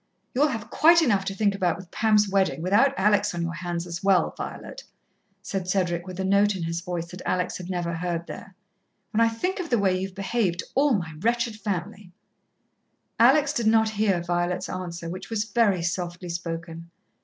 "You'll have quite enough to think about with Pam's wedding, without Alex on your hands as well. Violet," said Cedric, with a note in his voice that Alex had never heard there, "when I think of the way you've behaved to all my wretched family " Alex did not hear Violet's answer, which was very softly spoken.